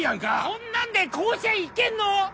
こんなんで甲子園行けんの？